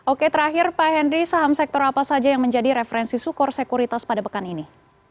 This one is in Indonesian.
oke terakhir pak henry saham sektor apa saja yang menjadi referensi sukor sekuritas pada pekan ini